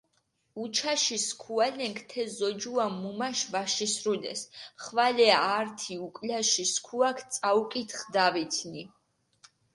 უჩაში სქუალენქ თე ზოჯუა მუმაში ვაშისრულეს, ხვალე ართი უკულაში სქუაქ წაუკითხჷ დავითნი.